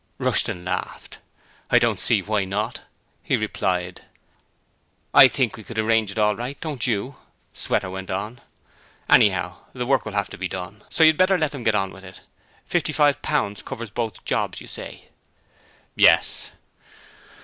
Rushton laughed. 'I don't see why not,' he replied. 'I think we could arrange it all right, don't you?' Sweater went on. 'Anyhow, the work will have to be done, so you'd better let 'em get on with it. £55.0.0. covers both jobs, you say?' 'Yes.'